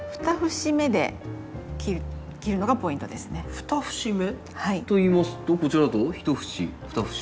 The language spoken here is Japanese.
２節目といいますとこちらだと１節２節。